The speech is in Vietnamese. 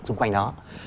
xung quanh đó